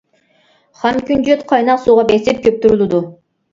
خام كۈنجۈت قايناق سۇغا بېسىپ كۆپتۈرۈلىدۇ.